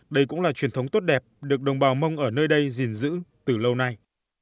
đây cũng là truyền thống tốt đẹp được đồng bào mông ở nơi đây gìn giữ từ lâu nay